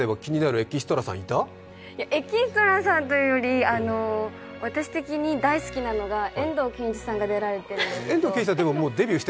エキストラさんというより、私的に大好きなのが遠藤憲一さんが出られているんですけど。